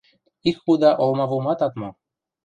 Ик худа олмавумат ат мо.